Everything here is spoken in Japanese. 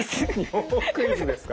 尿クイズですか。